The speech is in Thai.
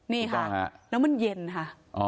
นี่ค่ะแล้วมันเย็นค่ะ